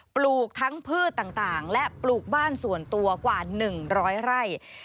ปลูกทั้งพืชต่างและปลูกบ้านส่วนตัวกว่า๑๐๐ไร่